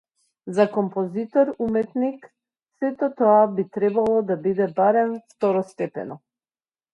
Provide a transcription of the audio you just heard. За композитор-уметник сето тоа би требало да биде барем второстепено.